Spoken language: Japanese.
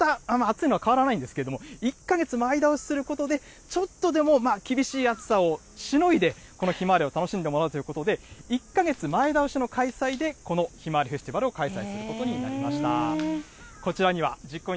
ちょっとした暑いのは変わらないんですけど、１か月前倒しすることで、ちょっとでも厳しい暑さをしのいで、このひまわりを楽しんでもらおうということで、１か月前倒しの開催で、このひまわりフェスティバルを開催することになりました。